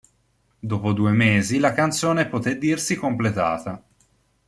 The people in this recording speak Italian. Dopo due mesi la canzone poté dirsi completata.